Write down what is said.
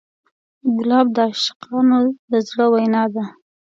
ګلاب د عاشقانو د زړه وینا ده.